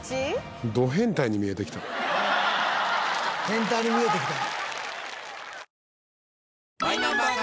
変態に見えてきた。